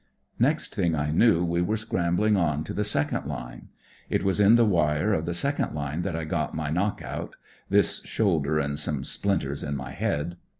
" Next thing I knew we were scrambling on to the second line. It was in the wire of the second line that I got my knock out; this shoulder, and some splinters in my head.